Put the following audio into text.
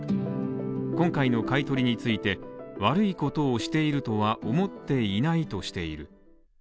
今回の買い取りについて悪いことをしているとは思っていないとしている。